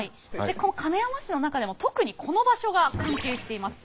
この亀山市の中でも特にこの場所が関係しています。